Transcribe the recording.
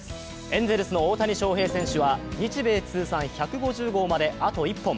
エンゼルスの大谷翔平選手は日米通算１５０号まで、あと１本。